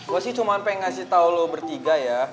gue sih cuma pengen ngasih tau lo bertiga ya